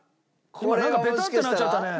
今なんかベタッとなっちゃったね。